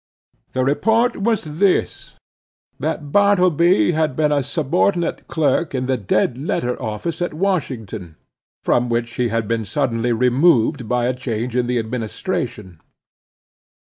The report was this: that Bartleby had been a subordinate clerk in the Dead Letter Office at Washington, from which he had been suddenly removed by a change in the administration.